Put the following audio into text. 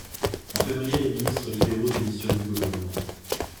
En février, les ministres libéraux démissionnent du gouvernement.